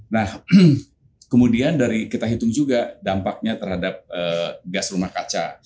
nah kemudian dari kita hitung juga dampaknya terhadap gas rumah kaca